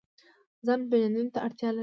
ځان پیژندنې ته اړتیا لري